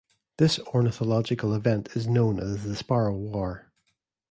This ornithological event is known as The Sparrow War.